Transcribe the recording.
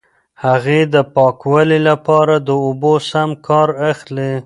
هغې د پاکوالي لپاره د اوبو سم کار اخلي.